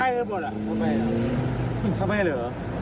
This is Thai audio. มีประกันแหละ